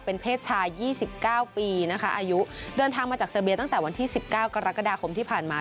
เป็นเพศชาย๒๙ปีนะคะอายุเดินทางมาจากเซอร์เบียตั้งแต่วันที่๑๙กรกฎาคมที่ผ่านมา